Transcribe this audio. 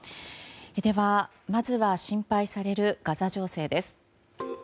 ではまずは心配されるガザ情勢です。